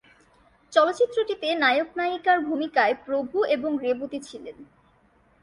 চলচ্চিত্রটিতে নায়ক-নায়িকার ভূমিকায় প্রভু এবং রেবতী ছিলেন।